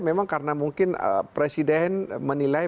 memang karena mungkin presiden menilai